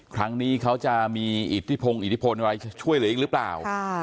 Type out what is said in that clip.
ครั้งนี้เขาจะมีอิทธิพงศ์อิทธิพลอะไรช่วยเหลืออีกหรือเปล่า